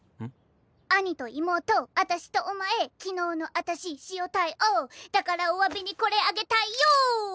兄と妹私とお前昨日の私塩対応だからおわびにこれあげたいよ